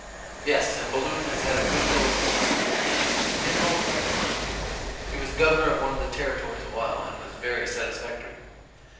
"Yes, and Balloon has had a good deal of public experience. He is an old friend of mine. He was governor of one of the territories a while, and was very satisfactory."